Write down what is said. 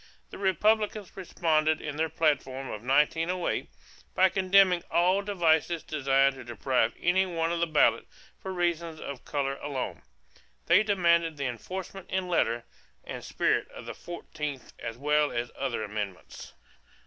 The Republicans responded in their platform of 1908 by condemning all devices designed to deprive any one of the ballot for reasons of color alone; they demanded the enforcement in letter and spirit of the fourteenth as well as all other amendments.